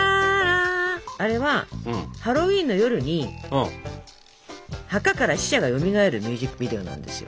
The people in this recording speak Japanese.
あれはハロウィーンの夜に墓から死者がよみがえるミュージックビデオなんですよ。